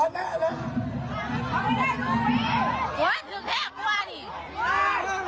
มึงแน่แน่ถอยแก่ค่ะต่อแน่เลย